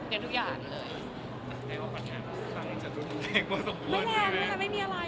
ไม่แรงไม่มีอะไร